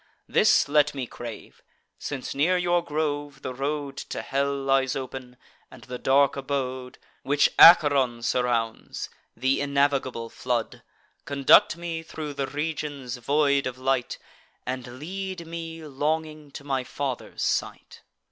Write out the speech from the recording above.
This let me crave, since near your grove the road To hell lies open, and the dark abode Which Acheron surrounds, th' innavigable flood; Conduct me thro' the regions void of light, And lead me longing to my father's sight.